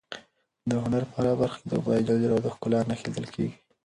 د هنر په هره برخه کې د خدای ج د ښکلا نښې لیدل کېږي.